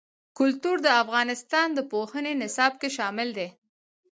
کلتور د افغانستان د پوهنې نصاب کې شامل دي.